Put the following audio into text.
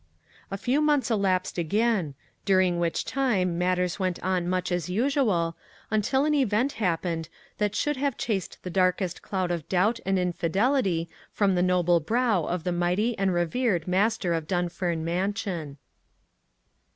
A few months elapsed again, during which time matters went on much as usual, until an event happened that should have chased the darkest cloud of doubt and infidelity from the noble brow of the mighty and revered master of Dunfern Mansion.